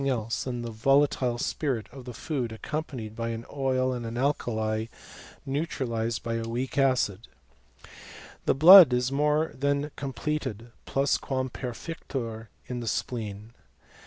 196 Mdimg dsedian the volatile spirit of the food accom panied by an ofi and an alkali, neutralized by a weak acid. The blood is more than completed {plus quam perjieiiur) in the spleen.